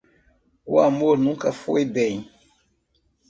O amor nunca foi bem.